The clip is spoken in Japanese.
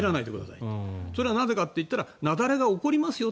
それはなぜかといったら雪崩が起こりますよと。